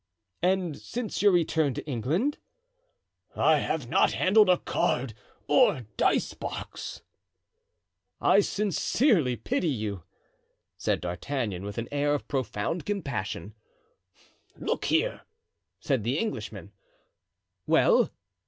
"And since your return to England?" "I have not handled a card or dice box." "I sincerely pity you," said D'Artagnan, with an air of profound compassion. "Look here," said the Englishman. "Well?"